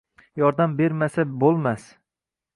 Yordam bermasa bo‘lmas.